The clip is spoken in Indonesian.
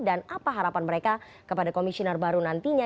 dan apa harapan mereka kepada komisioner baru nantinya